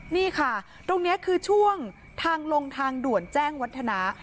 นี่ค่ะตรงนี้คือช่วงทางลงทางด่วนแจ้งวัฒนา